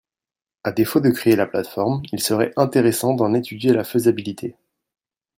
À défaut de créer la plateforme, il serait intéressant d’en étudier la faisabilité.